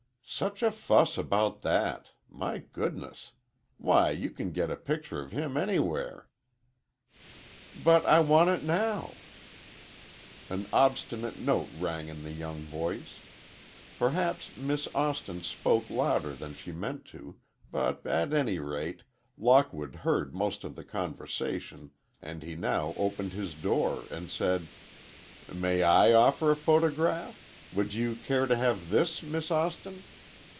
"Such a fuss about that! My goodness! Why, you can get a picture of him anywhere." "But I want it now." An obstinate note rang in the young voice. Perhaps Miss Austin spoke louder than she meant to, but at any rate, Lockwood heard most of the conversation, and he now opened his door, and said: "May I offer a photograph? Would you care to have this, Miss Austin?"